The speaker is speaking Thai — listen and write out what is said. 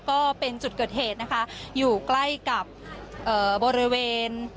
ก็เป็นจุดเกิดเหตุนะคะอยู่ใกล้กับเอ่อบริเวณ